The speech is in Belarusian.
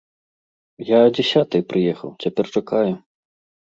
Я а дзясятай прыехаў, цяпер чакаю.